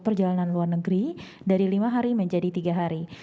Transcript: perjalanan luar negeri dari lima hari menjadi tiga hari